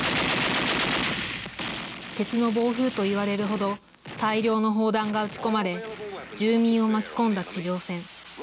鉄の暴風と言われるほど大量の砲弾が撃ち込まれ、住民を巻き込んだ地上戦。